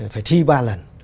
phải thi ba lần